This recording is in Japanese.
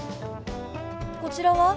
こちらは？